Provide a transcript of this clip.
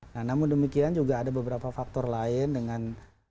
nah namun demikian juga ada beberapa faktor lain dengan